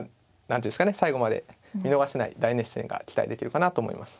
最後まで見逃せない大熱戦が期待できるかなと思います。